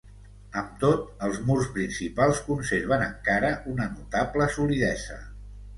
Amb tot, els murs principals conserven encara una notable solidesa.